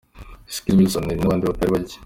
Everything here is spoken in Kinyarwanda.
Skizzy, Wilson Nelly nabandi batari bake.